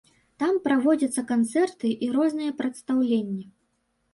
Там праводзяцца канцэрты і розныя прадстаўленні.